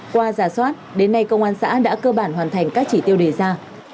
qua giả soát đến nay công an xã đã cơ bản hoàn thành các chỉ tiêu đề ra